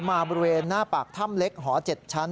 บริเวณหน้าปากถ้ำเล็กหอ๗ชั้น